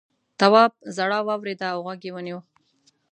تواب ژړا واورېده او غوږ یې ونيو.